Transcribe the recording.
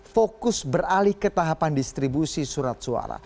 fokus beralih ke tahapan distribusi surat suara